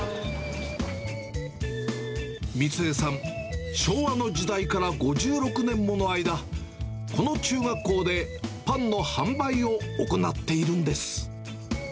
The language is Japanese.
三江さん、昭和の時代から５６年もの間、この中学校でパンの販売を行っているんです。